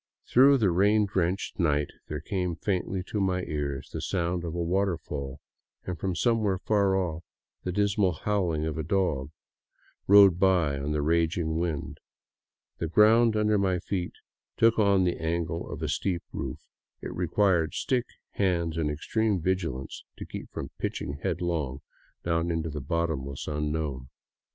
Through the rain drenched night there came faintly to my ears the sound of a waterfall, and from somewhere far off the dismal howling of a dog rode by on the raging wind. The ground under my feet took on the angle of a steep roof ; it required stick, hands, and extreme vigilance to keep from pitching headlong down into the bottomless unknown.